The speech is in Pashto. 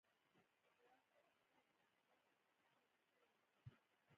حجرات او انساج نظر مشخصې وظیفې یوځای کیږي.